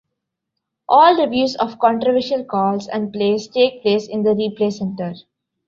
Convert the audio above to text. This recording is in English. All reviews of controversial calls and plays take place in the replay center.